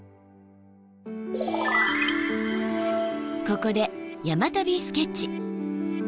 ここで山旅スケッチ。